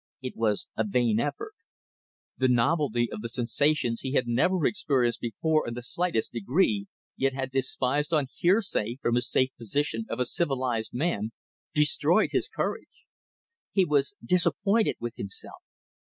It was a vain effort. The novelty of the sensations he had never experienced before in the slightest degree, yet had despised on hearsay from his safe position of a civilized man, destroyed his courage. He was disappointed with himself.